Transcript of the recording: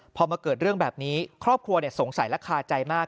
พอมาเกิดเรื่องแบบนี้ครอบครัวสงสัยและคาใจมาก